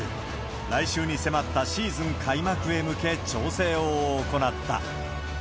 来週に迫ったシーズン開幕へ向け、調整を行った。